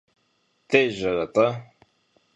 Дежьэрэ-тӀэ?